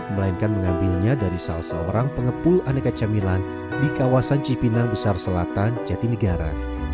melainkan mengambilnya dari salah seorang pengepul aneka camilan di kawasan cipinang besar selatan jatinegara